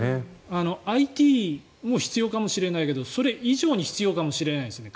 ＩＴも必要かもしれないけどそれ以上に必要かもしれないんですね。